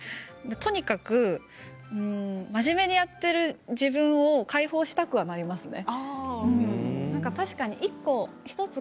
とにかくまじめにやっている自分を解放したくなりますね。